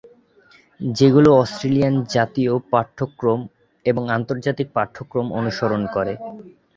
যেগুলো অস্ট্রেলিয়ান জাতীয় পাঠ্যক্রম এবং আন্তর্জাতিক পাঠ্যক্রম অনুসরণ করে।